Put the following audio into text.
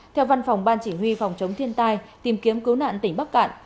theo văn phòng ban chỉ huy phòng chống thiên tai tìm kiếm cứu nạn tỉnh bắc cạn